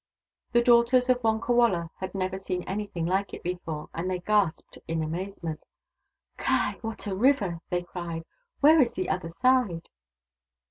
The daughters of Wonkawala had never seen anything like it before, and they gasped in amazement. " Ky ! what a river !" they cried. " Where is the other side